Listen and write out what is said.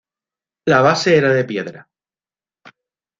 La base era de piedra.